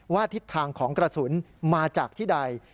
ทิศทางของกระสุนมาจากที่ใด